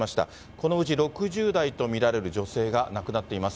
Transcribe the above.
このうち６０代と見られる女性が亡くなっています。